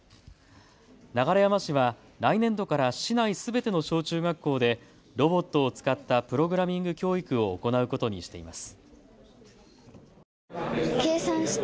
流山市は来年度から市内すべての小中学校でロボットを使ったプログラミング教育を行うことにしています。